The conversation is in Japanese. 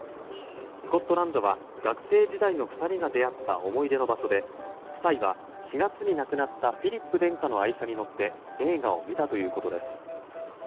スコットランドは学生時代の２人が出会った思い出の場所で夫妻は４月に亡くなったフィリップ殿下の愛車に乗って映画を見たということです。